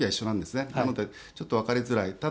なので、ちょっとわかりづらい。